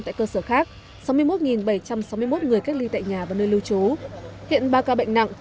tại cơ sở khác sáu mươi một bảy trăm sáu mươi một người cách ly tại nhà và nơi lưu trú hiện ba ca bệnh nặng